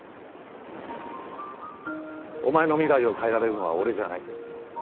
お前の未来を変えられるのは俺じゃない。